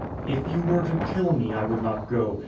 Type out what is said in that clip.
"If you were to kill me, I would not go.